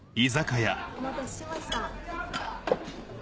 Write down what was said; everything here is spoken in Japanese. お待たせしました。